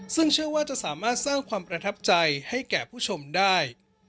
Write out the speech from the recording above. ซึ่งเชื่อว่าจะสามารถสร้างความประทับใจให้แก่ผู้ชมได้